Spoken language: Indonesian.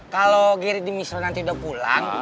kalau gary di misro nanti udah pulang